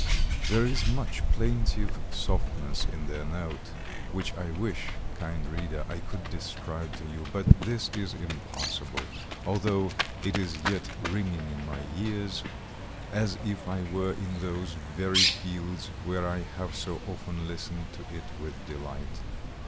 There is much plaintive softness in their note, which I wish, kind reader, I could describe to you; but this is impossible, although it is yet ringing in my ears, as if I were in those very fields where I have so often listened to it with delight.